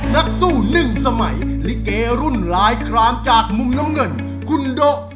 นักสู้หนึ่งสมัยลิเกรุ่นลายคลามจากมุมน้ำเงินคุณโดะ